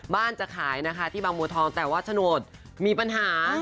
บ้านจะขายนะคะที่บางหมวดทองแต่ว่าถนวดมีปัญหา